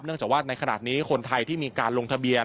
จากว่าในขณะนี้คนไทยที่มีการลงทะเบียน